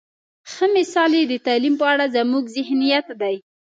ښه مثال یې د تعلیم په اړه زموږ ذهنیت دی.